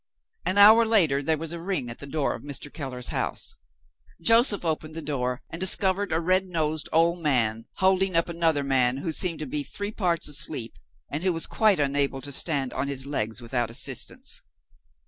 An hour later, there was a ring at the door of Mr. Keller's house. Joseph opened the door, and discovered a red nosed old man, holding up another man who seemed to be three parts asleep, and who was quite unable to stand on his legs without assistance.